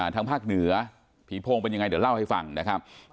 ทางภาคเหนือผีโพงเป็นยังไงเดี๋ยวเล่าให้ฟังนะครับ